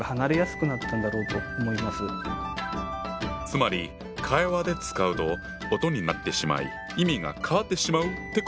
つまり会話で使うと音になってしまい意味が変わってしまうってことか。